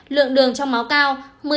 lượng đường trong máu cao